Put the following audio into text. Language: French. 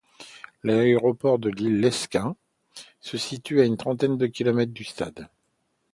L'aéroport de Lille - Lesquin se situe à une trentaine de kilomètres du stade.